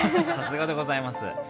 さすがでございます。